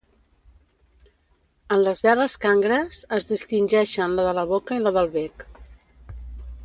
En les veles cangrees es distingeixen la de la boca i la del bec.